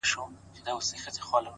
څه رنګه سپوږمۍ ده له څراغه يې رڼا وړې!!